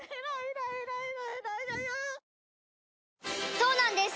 そうなんです